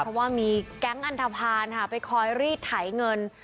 เพราะว่ามีแก๊งอันทภาณค่ะไปคอยรีดไถเงิน